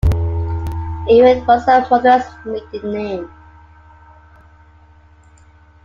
Ewin was her mother's maiden name.